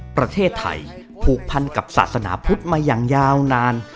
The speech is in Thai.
ประเทศไทยผูกพันกับศาสนาพุทธมาอย่างยาวนาน